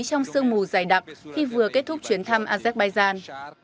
trong sương mù dày đặc khi vừa kết thúc chuyến thăm azerbaijan